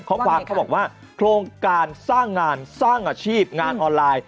ข้อความเขาบอกว่าโครงการสร้างงานสร้างอาชีพงานออนไลน์